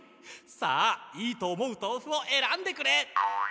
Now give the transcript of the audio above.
さあいいと思うとうふをえらんでくれ！